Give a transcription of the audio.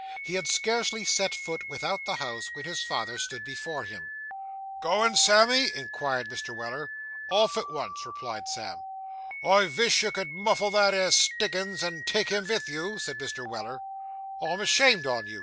He had scarcely set foot without the house, when his father stood before him. 'Goin', Sammy?' inquired Mr. Weller. 'Off at once,' replied Sam. 'I vish you could muffle that 'ere Stiggins, and take him vith you,' said Mr. Weller. 'I am ashamed on you!